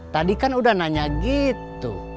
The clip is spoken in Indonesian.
tadi kan udah nanya gitu